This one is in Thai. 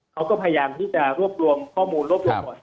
เขาก็พยายามที่จะรวบรวมข้อมูลรวบรวมก่อแสรวมไปถึงการขอสัญญาณโทรศัพท์